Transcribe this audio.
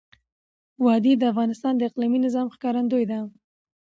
وادي د افغانستان د اقلیمي نظام ښکارندوی ده.